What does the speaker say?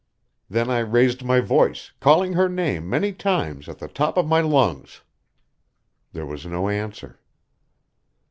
Then I raised my voice, calling her name many times at the top of my lungs. There was no answer.